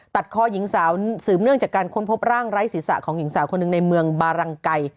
ตัดคอหญิงสาวสืบเนื่องจากการค้นพบร่างไร้ศีรษะของหญิงสาวคนหนึ่งในเมืองบารังไกร